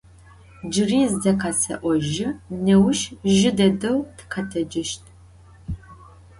Cıri ze khese'ojı, nêuş jı dedeu tıkhetecışt.